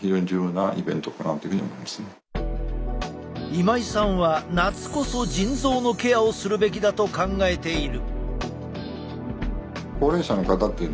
今井さんは夏こそ腎臓のケアをするべきだと考えている。